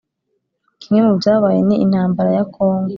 kimwe mubyabaye ni intambara ya kongo